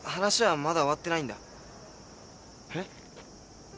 えっ？